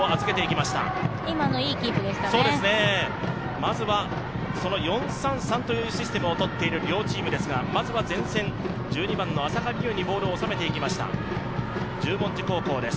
まずは４−３−３というシステムをとっている両チームですが、まずは前線浅香美結にボールをおさめていきました、十文字高校です